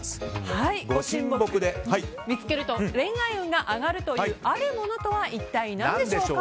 見つけると恋愛運が上がるというあるものとは一体何でしょうか。